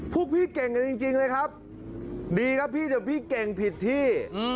พวกพี่เก่งกันจริงเลยครับดีครับพี่แต่พี่เก่งผิดที่